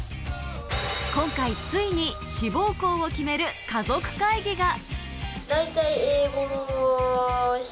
今回、ついに志望校を決める家族会議が。